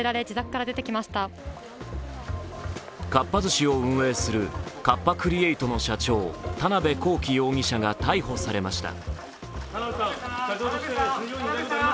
かっぱ寿司を運営するカッパ・クリエイトの社長田辺公己容疑者が逮捕されました。